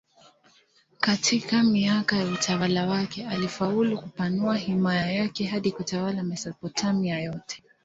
Katika miaka ya utawala wake alifaulu kupanua himaya yake hadi kutawala Mesopotamia yote.